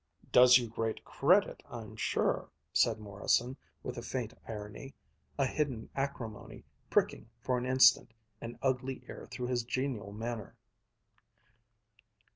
"Does you great credit, I'm sure," said Morrison, with a faint irony, a hidden acrimony, pricking, for an instant, an ugly ear through his genial manner.